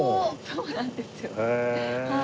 そうなんですよはい。